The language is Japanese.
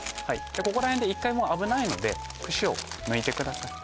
ここらへんで一回もう危ないので串を抜いてください